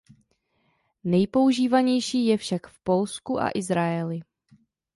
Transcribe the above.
Nejpoužívanější je však v Polsku a Izraeli.